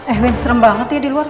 eh win serem banget ya di luar